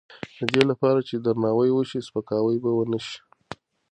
د دې لپاره چې درناوی وشي، سپکاوی به ونه شي.